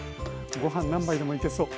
ご飯何杯でもいけそう。